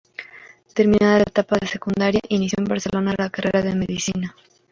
Terminada la etapa secundaria, inició en Barcelona la carrera de Medicina.